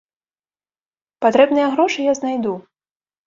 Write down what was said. Патрэбныя грошы я знайду.